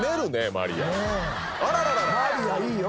マリアいいよ。